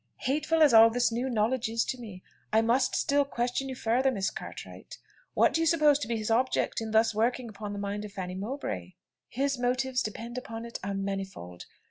Hateful as all this new knowledge is to me, I must still question you further, Miss Cartwright: What do you suppose to be his object in thus working upon the mind of Fanny Mowbray?" "His motives, depend upon it, are manifold.